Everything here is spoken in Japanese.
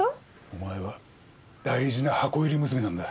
お前は大事な箱入り娘なんだ。